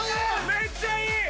めっちゃいい！